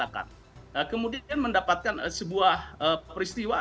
saya mendapatkan sebuah peristiwa